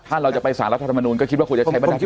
ถ้าเราจะไปสารรัฐธรรมนุนก็คิดว่าคุณจะใช้บรรทัศน์นี้